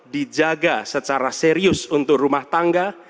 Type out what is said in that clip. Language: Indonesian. dijaga secara serius untuk rumah tangga